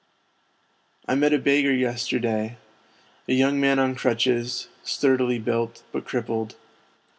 I met a beggar yesterday, a young man on crutches, sturdily built, but crippled.